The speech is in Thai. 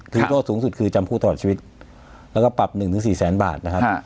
โทษสูงสุดคือจำคุกตลอดชีวิตแล้วก็ปรับ๑๔แสนบาทนะครับ